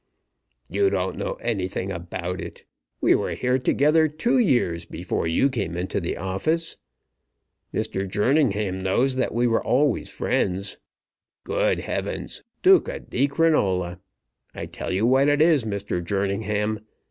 "You don't know anything about it. We were here together two years before you came into the office. Mr. Jerningham knows that we were always friends. Good heavens! Duca di Crinola! I tell you what it is, Mr. Jerningham.